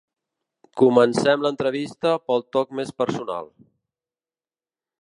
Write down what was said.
Comencem l’entrevista pel toc més personal.